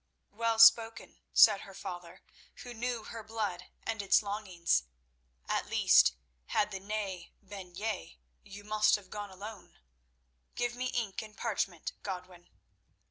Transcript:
"Well spoken," said her father, who knew her blood and its longings. "At least, had the 'nay' been 'yea,' you must have gone alone. Give me ink and parchment, Godwin."